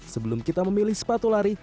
sebelum kita memilih sepatu lari